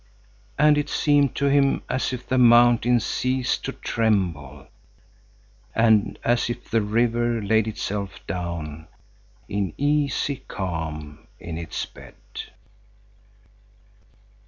And it seemed to him as if the mountains ceased to tremble and as if the river laid itself down in easy calm in its bed.